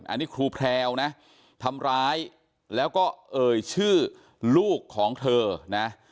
อันนี้ครูแพรวนะทำร้ายแล้วก็เอ่ยชื่อลูกของเธอนะ